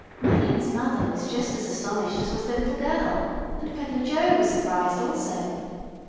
Madeline's mother was just as astonished as was the little girl; and Peddler Joe was surprised also.